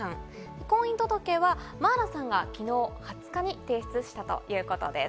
婚姻届は茉愛羅さんが昨日２０日に提出したということです。